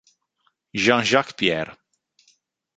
Jean-Jacques Pierre